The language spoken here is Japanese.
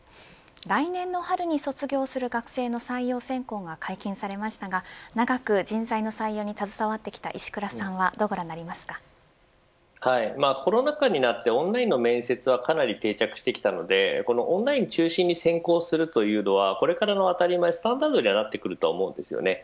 来年の春に卒業する学生の採用選考が解禁されましたが長く人材の採用に携わってきた石倉さんはコロナ禍になってオンラインの面接がかなり定着してきたのでオンライン中心に選考するというのはこれからの当たり前スタンダードになってくると思います。